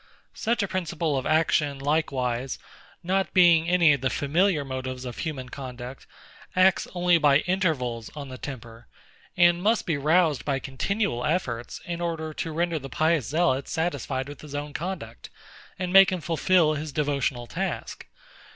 Such a principle of action likewise, not being any of the familiar motives of human conduct, acts only by intervals on the temper; and must be roused by continual efforts, in order to render the pious zealot satisfied with his own conduct, and make him fulfil his devotional task.